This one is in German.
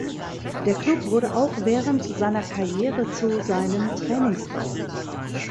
Der Club wurde auch während seiner Karriere zu seinem Trainingsort.